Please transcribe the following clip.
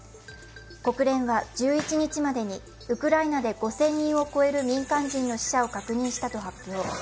国連は１１日までにウクライナで５０００人を超える民間人の死者を確認したと発表。